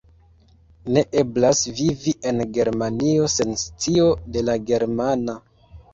Ne eblas vivi en Germanio sen scio de la germana!